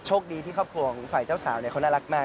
คดีที่ครอบครัวของฝ่ายเจ้าสาวเขาน่ารักมาก